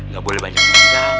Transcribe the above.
gak boleh banyak banyak